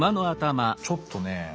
ちょっとね